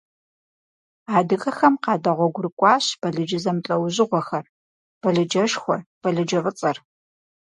Адыгэхэм къадэгъуэгурыкӀуащ балыджэ зэмылӀэужьыгъуэхэр, балыджэшхуэр, балыджэфӀыцӀэр.